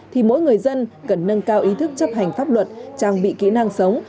thì mỗi người dân cần nâng cao ý thức chấp hành pháp luật trang bị kỹ năng sống